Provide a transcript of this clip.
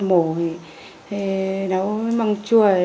mổ nấu măng chua